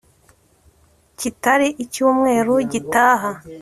kitari icy umweru gitaha